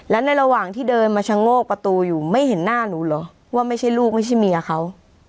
และในระหว่างที่เดินมาชะโงกประตูอยู่ไม่เห็นหน้าหนูเหรอว่าไม่ใช่ลูกไม่ใช่เมียเขา